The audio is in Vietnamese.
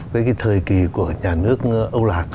với cái thời kỳ của nhà nước âu lạc